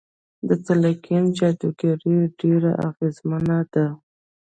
د تلقين جادوګري ډېره اغېزمنه ده.